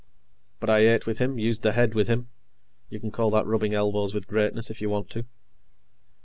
But I ate with him, used the head with him; you can call that rubbing elbows with greatness, if you want to.